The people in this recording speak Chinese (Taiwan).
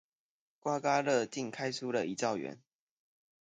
刮刮樂竟然開出了一兆元